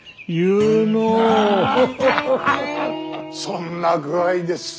そんな具合です。